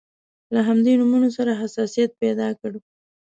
له همدې نومونو سره حساسیت پیدا کړ.